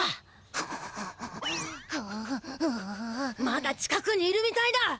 まだ近くにいるみたいだ！